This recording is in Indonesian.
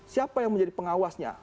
siapa yang menjadi pengawasnya